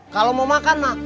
kalau mau makan mah